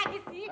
apa lagi sih